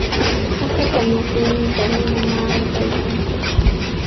Hakapa ñatinnintami mamaa ankaykan.